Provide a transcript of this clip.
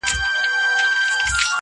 ورغلم دید مي ونه کی